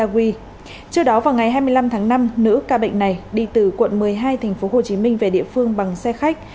trước đó vào ngày hai mươi năm tháng năm nữ ca bệnh này đi từ quận một mươi hai tp hcm về địa phương bằng xe khách